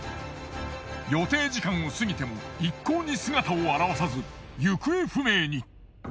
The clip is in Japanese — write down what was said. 予定時間を過ぎても一向に姿を現さず行方不明に。